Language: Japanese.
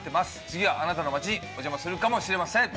次はあなたの街にお邪魔するかもしれません。